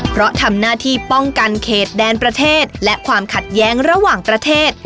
เพราะทำหน้าที่ป้องกันเขตแดนประเทศและความขัดแย้งระหว่างประเทศ